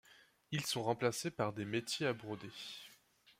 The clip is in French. Ils sont remplacés par des métiers à broder.